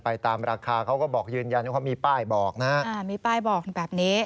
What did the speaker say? ตามราคาเขาก็บอกยืนยันว่าเขามีป้ายบอกนะฮะอ่ามีป้ายบอกแบบนี้